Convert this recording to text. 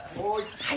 はい。